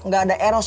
gak ada eros mak